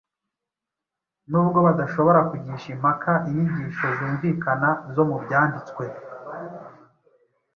Nubwo badashobora kugisha impaka inyigisho zumvikana zo mu Byanditswe,